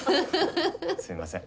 すみません。